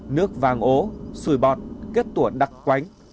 nước vàng ố sùi bọt kết tuổn đặc quánh